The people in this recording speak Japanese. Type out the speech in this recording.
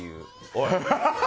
おい！